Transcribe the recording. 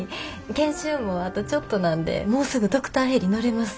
研修もあとちょっとなんでもうすぐドクターヘリ乗れます。